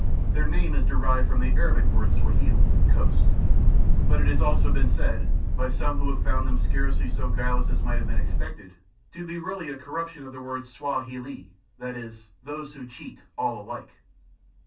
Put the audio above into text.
Their name is derived from the Arabic word suahil, coast; but it has also been said, by some who have found them scarcely so guileless as might have been expected, to be really a corruption of the words sawa hili, that is, "those who cheat all alike."